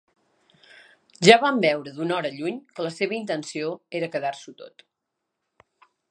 Ja vam veure d'una hora lluny que la seva intenció era quedar-s'ho tot.